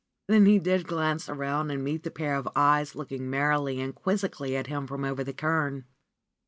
Then he did glance around and met the pair of eyes looking merrily and quizzically at him from over the cairn.